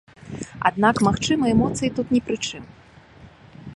Аднак, магчыма, эмоцыі тут не пры чым.